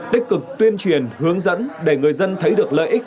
tích cực tuyên truyền hướng dẫn để người dân thấy được lợi ích